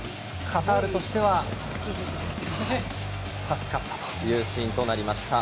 カタールとしては助かったシーンとなりました。